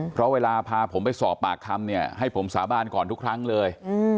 เพราะเวลาพาผมไปสอบปากคำเนี่ยให้ผมสาบานก่อนทุกครั้งเลย